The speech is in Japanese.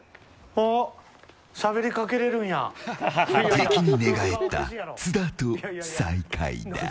敵に寝返った津田と再会だ。